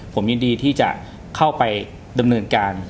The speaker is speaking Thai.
ผมยินดีที่จะเข้าไปดำเนินการ